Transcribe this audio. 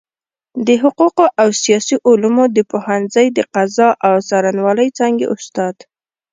د حقوقو او سياسي علومو د پوهنځۍ د قضاء او څارنوالۍ څانګي استاد